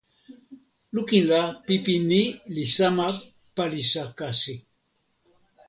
lukin la pipi ni li sama palisa kasi.